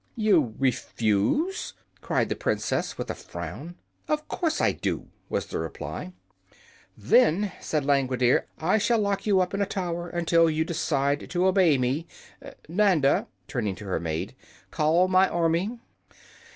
"You refuse?" cried the Princess, with a frown. "Of course I do," was the reply. "Then," said Langwidere, "I shall lock you up in a tower until you decide to obey me. Nanda," turning to her maid, "call my army."